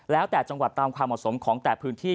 แล้วแต่จังหวัดตามความเหมาะสมของแต่พื้นที่